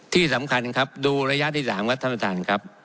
ที่สำคัญครับดูระยะที่๓ครับท่านประธานครับ